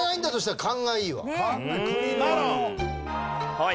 はい。